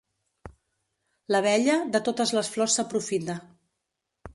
L'abella, de totes les flors s'aprofita.